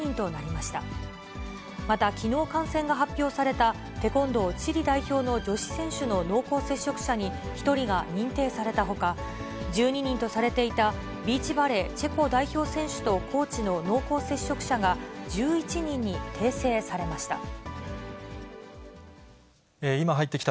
また、きのう感染が発表されたテコンドー・チリ代表の女子選手の濃厚接触者に、１人が認定されたほか、１２人とされていた、ビーチバレー・チェコ代表選手とコーチの濃厚接触者が１１人に訂正されました。